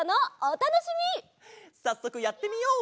さっそくやってみよう！